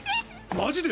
マジで！？